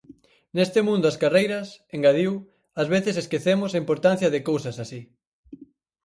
"Neste mundo ás carreiras", engadiu, "ás veces esquecemos a importancia de cousas así".